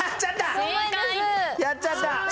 やっちゃった。